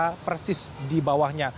yang persis di bawahnya